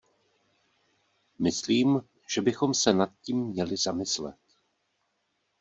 Myslím, že bychom se nad tím měli zamyslet.